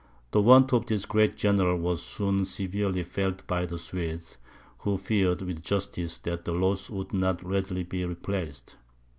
The want of this great general was soon severely felt by the Swedes, who feared, with justice, that the loss would not readily be replaced.